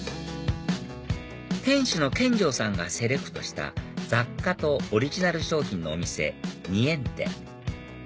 店主の見城さんがセレクトした雑貨とオリジナル商品のお店ニエンテ